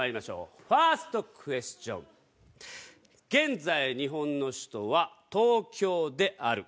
現在日本の首都は東京である。